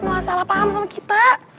gak salah paham sama kita